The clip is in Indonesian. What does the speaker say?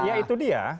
ya itu dia